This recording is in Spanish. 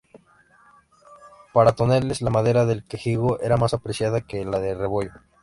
Para toneles la madera del quejigo era más apreciada que la de rebollo.